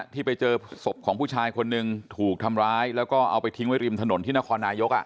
ที่ไปเจอศพของผู้ชายคนหนึ่งถูกทำร้ายแล้วก็เอาไปทิ้งไว้ริมถนนที่นครนายก